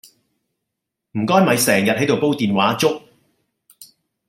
唔該咪成日喺度煲電話粥